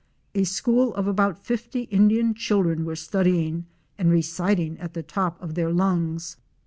A school of about fifty Indian children were studying and reciting at the top of their lungs.